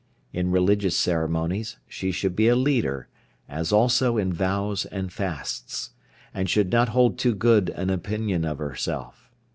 In religious ceremonies she should be a leader, as also in vows and fasts, and should not hold too good an opinion of herself.